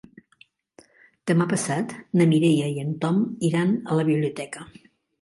Demà passat na Mireia i en Tom iran a la biblioteca.